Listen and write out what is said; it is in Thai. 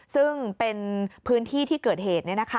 ซึ่งเป็นพื้นที่ที่เกิดเหตุ